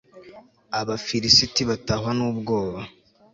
abafilisiti batahwa n'ubwoba